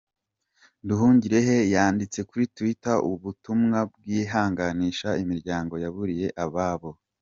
Nduhungirehe yanditse kuri Twitter ubutumwa bwihanganisha imiryango yaburiyemo ababo.